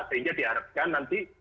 sehingga diharapkan nanti